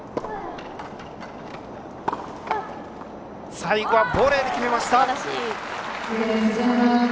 最後はボレーで決めました！